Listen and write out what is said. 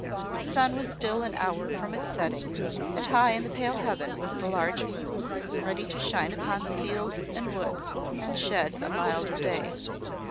The sun was still an hour from its setting; and high in the pale heaven was the large moon, ready to shine upon the fields and woods, and shed a milder day.